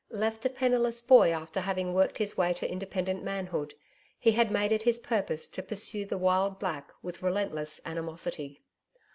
Left a penniless boy after having worked his way to independent manhood he had made it his purpose to pursue the wild black with relentless animosity.